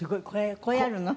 こうやるの？